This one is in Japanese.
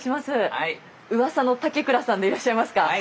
うわさの竹倉さんでいらっしゃいますか？